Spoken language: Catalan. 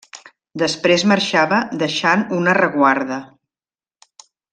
Després marxava deixant una reguarda.